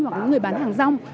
hoặc là những người bán hàng rong